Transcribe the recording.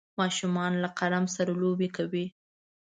ماشومان له قلم سره لوبې کوي.